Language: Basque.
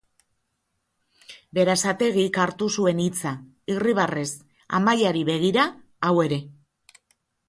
Berasategik hartu zuen hitza, irribarrez, Amaiari begira hau ere.